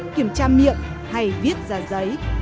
kiểm tra miệng hay viết ra giấy